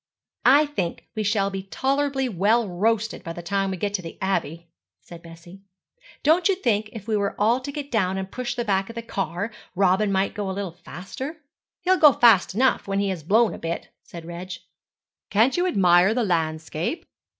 'I think we shall be tolerably well roasted by the time we get to the Abbey,' said Bessie. 'Don't you think if we were all to get down and push the back of the car, Robin might go a little faster?' 'He'll go fast enough when he has blown a bit,' said Reg. 'Can't you admire the landscape?'